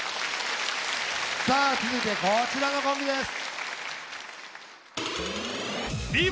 さあ続いてこちらのコンビです。